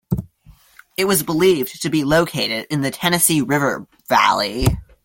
It was believed to be located in the Tennessee River Valley.